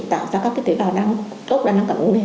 tạo ra các cái tế bào gốc đa năng cảm ứng này